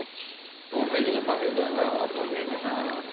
ホームページにパンフレットが載っています。